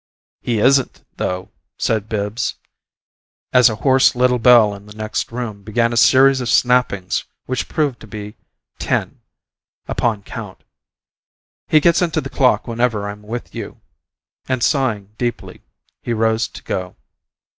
"He isn't, though," said Bibbs, as a hoarse little bell in the next room began a series of snappings which proved to be ten, upon count. "He gets into the clock whenever I'm with you." And, sighing deeply he rose to go.